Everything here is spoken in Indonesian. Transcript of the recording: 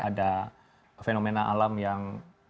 ada fenomena alam yang